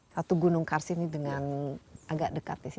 satu gunung kars ini dengan agak dekat di sini